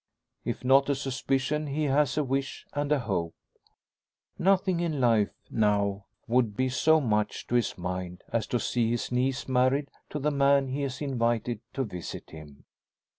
If not a suspicion, he has a wish and a hope. Nothing in life, now, would be so much to his mind as to see his niece married to the man he has invited to visit him.